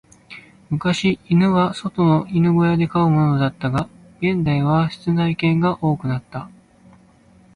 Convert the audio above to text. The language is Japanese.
昔、犬は外の犬小屋で飼うものだったが、現代は室内犬が多くなった。